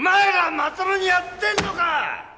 まともにやってんのか！